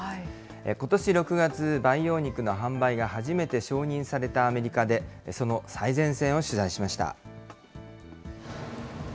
ことし６月、培養肉の販売が初めて承認されたアメリカで、その最前線を取材しました。